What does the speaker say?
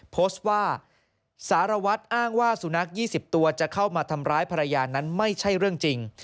โพสต์ว่าสารวัตรอ้างว่าสุนัข๒๐ตัวจะเข้ามาทำร้ายภรรยานั้นไม่ใช่เรื่องจริง